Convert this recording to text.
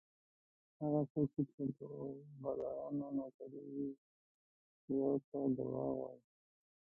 هغه څوک چې د دوو بادارانو نوکر وي یوه ته درواغ وايي.